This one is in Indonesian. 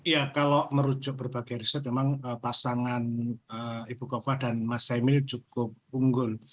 ya kalau merujuk berbagai riset memang pasangan ibu kova dan mas emil cukup unggul